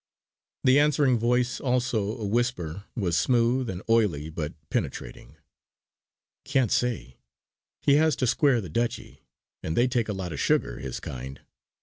The answering voice, also a whisper, was smooth and oily, but penetrating: "Can't say. He has to square the Dutchy: and they take a lot of sugar, his kind.